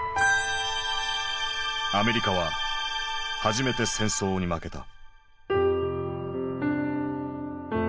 アメリカは初めて戦争に負けた。